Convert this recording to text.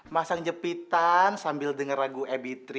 masang jepitan sambil denger lagu ebitri